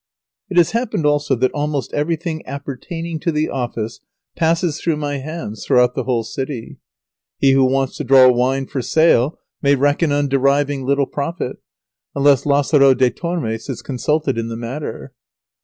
It has happened also that almost everything appertaining to the office passes through my hands, throughout the whole city. He who wants to draw wine for sale may reckon on deriving little profit, unless Lazaro de Tormes is consulted in the matter.